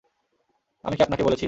আমি কী আপনাকে বলেছি?